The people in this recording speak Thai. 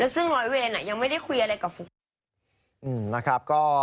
ซึ่งร้อยเวรยังไม่ได้คุยอะไรกับฟุก